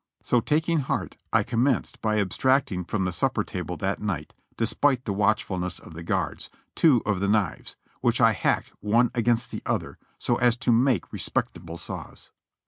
So taking heart I commenced by abstracting from the supper table that night, despite the watchfulness of the guards, two of the knives, which I hacked one against the other so as to make respectable saws.